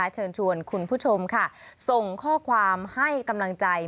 เชิญชวนคุณผู้ชมค่ะส่งข้อความให้กำลังใจ